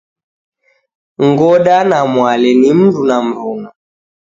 Ngoda na Mwale ni mdu na mruna.